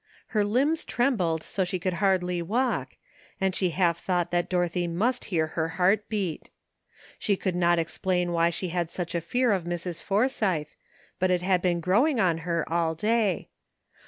Her limbs trembled so she could hardly walk, and she half thought that Dorothy must hear her heart beat. She could not ex plain why she had such a fear of Mrs. Forsythe, but it had been growing on her all day.